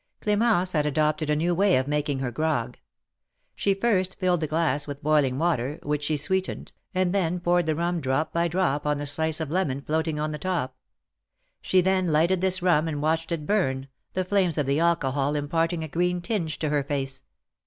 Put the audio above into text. Clemence had adopted a new way of making her grog. She first filled the glass with boiling water, which she sweetened, and then poured the rum drop by drop on the slice of lemon floating on the top. She then lighted this rum, and watched it burn, the flames of the alcohol im l)arting a green tinge to her face.